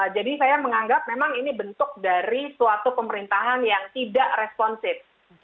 jadi saya menganggap memang ini bentuk dari suatu pemerintahan yang tidak responsif